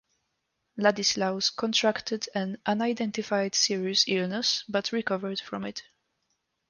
Ladislaus contracted an unidentified serious illness, but recovered from it.